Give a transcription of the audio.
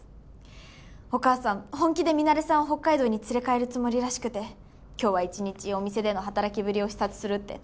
お母さん本気でミナレさんを北海道に連れ帰るつもりらしくて今日は一日お店での働きぶりを視察するって。